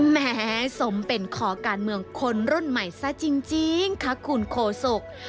แหมสมเป็นขอการเมืองคนรุ่นใหม่ซะจริงค่ะคุณโคศก